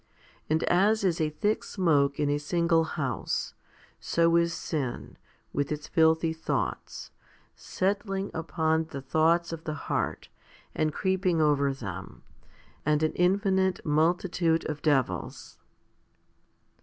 And as is a thick smoke in a single house, so is sin, with its filthy thoughts, settling upon the thoughts of the heart, and creeping over them, and an infinite multitude of devils.